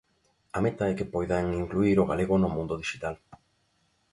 A meta é que poidan incluír o galego no mundo dixital.